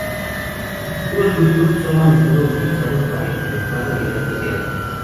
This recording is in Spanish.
Los dispositivos Bluetooth son a menudo utilizados para implementar realidad mediada.